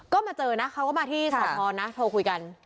ก็มาเจอนะเขาก็มาที่สพนะโทรคุยกัน